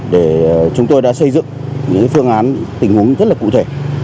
để chúng tôi đã xây dựng những phương án tình huống rất là cụ thể